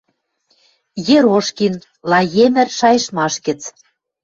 Ерошкин, «Лаемӹр» шайыштмаш гӹц.